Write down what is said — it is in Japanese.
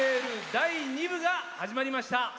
第２部が始まりました。